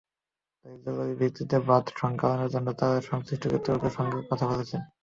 তাই জরুরি ভিত্তিতে বাঁধ সংস্কারের জন্য তাঁরা সংশ্লিষ্ট কর্তৃপক্ষের সঙ্গে কথা বলেছেন।